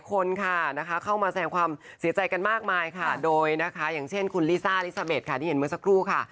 คนค่ะนะคะเข้ามาแสงความเสียใจกันมากมายค่ะโดยนะคะอย่างเช่นคุณลิซ่าลิซาเด็ดค่ะที่เห็นเมื่อสักครู่ค่ะ